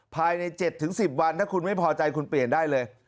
ภายใน๗๑๐วันถ้าคุณไม่พอใจคุณเปลี่ยนได้เลย